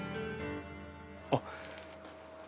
あっ。